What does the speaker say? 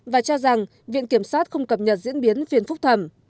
và cho rằng viện kiểm soát không cập nhật diễn biến phiền phúc thẩm